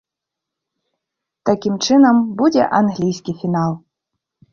Такім чынам, будзе англійскі фінал!